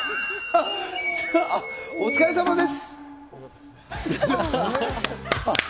お疲れさまです。